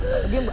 bisa diam mbak